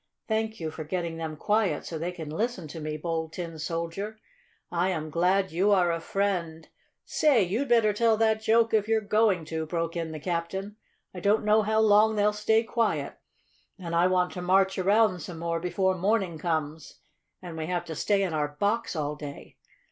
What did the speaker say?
Thank you for getting them quiet so they can listen to me, Bold Tin Soldier. I am glad you are a friend " "Say, you'd better tell that joke, if you're going to!" broke in the captain. "I don't know how long they'll stay quiet. And I want to march around some more before morning comes and we have to stay in our box all day.